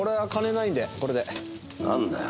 なんだよ。